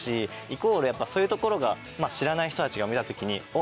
イコールそういうところが知らない人たちが見た時に。